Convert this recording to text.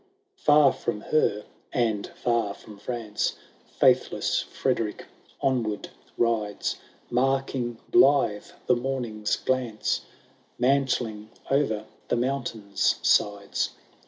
Far from her, and far from France, Faithless Frederick onward rides, Marking, blithe, the morning's glance Mantling o'er the mountain's sides.